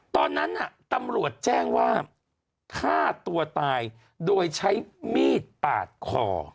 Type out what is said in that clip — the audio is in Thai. ตอนนั้นตำรวจแจ้งว่าฆ่าตัวตายโดยใช้มีดปาดคอ